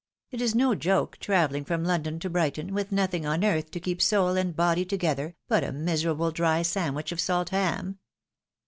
It is no joke, travelling from London to Brighton, with nothing on earth to keep soul and body together, but a miserable dry sandwich of salt ham."